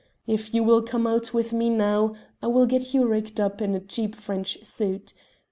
If you will come out with me now I will get you rigged up in a cheap French suit.